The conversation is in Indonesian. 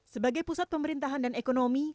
sebagai pusat pemerintahan dan ekonomi